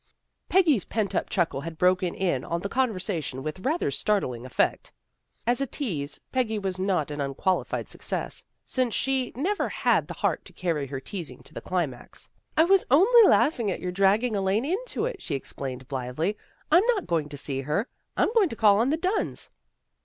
Peggy's pent up chuckle had broken in on the conversation with rather startling effect. As a tease, Peggy was not an unqualified success, since she never had the heart to carry her teas ing to the climax. " I was only laughing at your dragging Elaine into it," she explained blithely. " I'm not going to see her. I'm going to call on the Dunns."